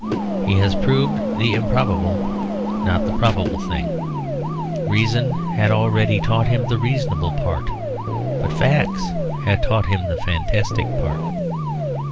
He has proved the improbable, not the probable thing. Reason had already taught him the reasonable part; but facts had taught him the fantastic part.